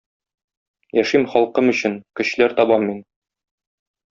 Яшим халкым өчен, көчләр табам мин